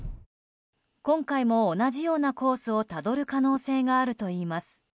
今回も同じようなコースをたどる可能性があるといいます。